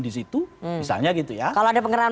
di situ hmm misalnya gitu ya kalau ada penggerahan